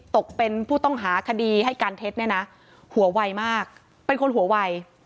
ตกเป็นผู้ต้องหาคดีให้การเท็จเนี่ยนะหัวไวมากเป็นคนหัววัย